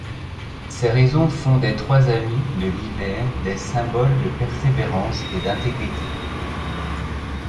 Ces raisons font des trois amis de l´hiver des symboles de persévérance et d´intégrité.